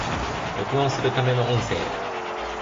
録音するための音声